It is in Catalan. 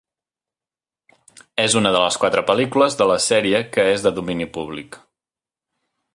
És una de les quatre pel·lícules de la sèrie que és de domini públic.